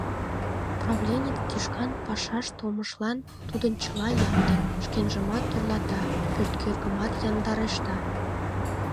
Правленец тӱшкан пашаш толмыштлан тудын чыла ямде: шкенжымат тӧрлата, пӧрткӧргымат яндарешта.